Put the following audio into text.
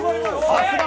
さすが！